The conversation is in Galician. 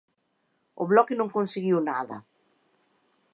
O Bloque non conseguiu nada.